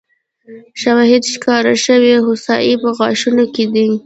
شواهد د ښکار شوې هوسۍ په غاښونو کې دي.